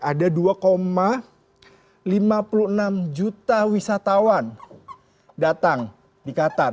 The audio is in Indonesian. ada dua lima puluh enam juta wisatawan datang di qatar